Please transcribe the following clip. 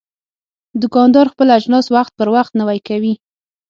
دوکاندار خپل اجناس وخت پر وخت نوی کوي.